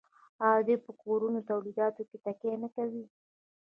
آیا دوی په کورنیو تولیداتو تکیه نه کوي؟